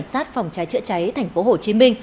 sát phòng trái chữa cháy tp hcm